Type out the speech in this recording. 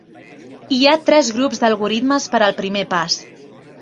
Hi ha tres grups d'algorismes per al primer pas.